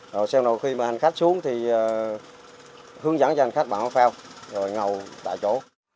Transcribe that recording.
rồi sau đó khi mà hành khách xuống thì hướng dẫn cho hành khách bảo áo phao